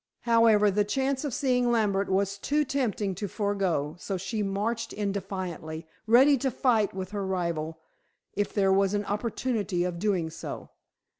However, the chance of seeing Lambert was too tempting to forego, so she marched in defiantly, ready to fight with her rival if there was an opportunity of doing so.